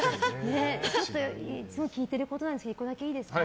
いつも聞いてることなんですけど１個だけいいですか。